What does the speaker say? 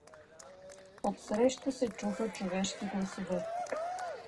Отсреща се чуха човешки гласове.